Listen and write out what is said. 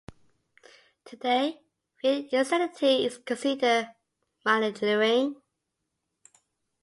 Today feigned insanity is considered malingering.